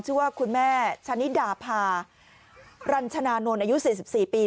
ชื่อว่าคุณแม่ชะนิดาพารัญชนานนท์อายุ๔๔ปี